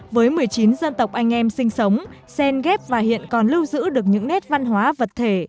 với một mươi chín dân tộc anh em sinh sống sen ghép và hiện còn lưu giữ được những nét văn hóa vật thể